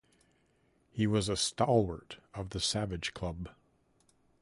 He was a stalwart of the Savage Club.